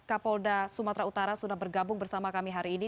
kapolda sumatera utara sudah bergabung bersama kami hari ini